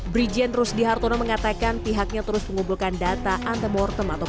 bridget terus dihartono mengatakan pihaknya terus mengumpulkan data antemortem atau